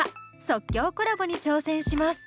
即興コラボに挑戦します。